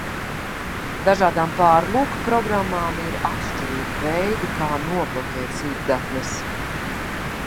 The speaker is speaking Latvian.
Dažādām pārlūkprogrammām ir atšķirīgi veidi, kā nobloķēt sīkdatnes.